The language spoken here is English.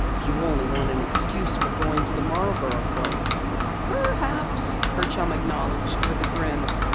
"You only want an excuse for going to the Marborough place!" "Perhaps," her chum acknowledged with a grin.